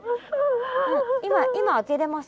今今開けれます？